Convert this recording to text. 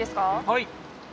はい。